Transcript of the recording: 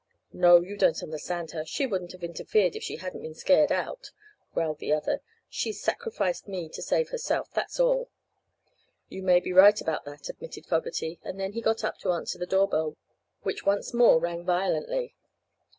"No, you don't understand her. She wouldn't have interfered if she hadn't been scared out," growled the other. "She's sacrificed me to save herself, that's all." "You may be right about that," admitted Fogerty; and then he got up to answer the door bell, which once more rang violently.